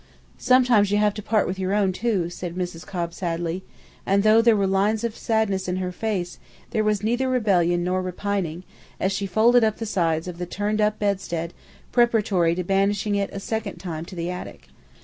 "Sometimes you have to part with your own, too," said Mrs. Cobb sadly; and though there were lines of sadness in her face there was neither rebellion nor repining, as she folded up the sides of the turn up bedstead preparatory to banishing it a second time to the attic.